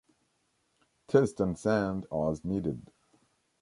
Test and sand as needed.